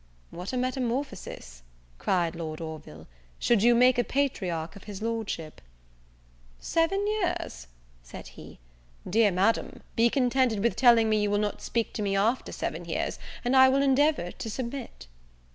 "What a metamorphosis," cried Lord Orville," should you make a patriarch of his Lordship." "Seven years!" said he, "dear Madam, be contented with telling me you will not speak to me after seven years, and I will endeavour to submit."